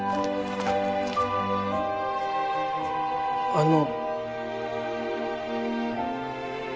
あの。